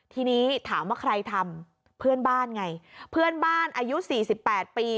ทีนี้ถามว่าใครทำเพื่อนบ้านไงเพื่อนบ้านอายุ๔๘ปี